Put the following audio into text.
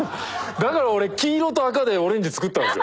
だから俺黄色と赤でオレンジ作ったんですよ。